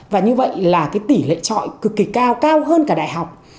và như vậy là cái tỷ lệ trọi cực kỳ cao cao hơn cả đại học